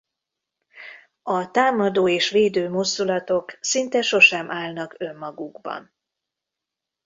A támadó és védő mozdulatok szinte sosem állnak önmagukban.